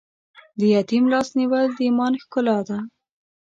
د یتیم لاس نیول د ایمان ښکلا ده.